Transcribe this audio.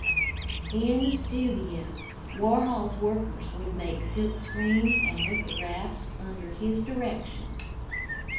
In the studio, Warhol's workers would make silkscreens and lithographs under his direction.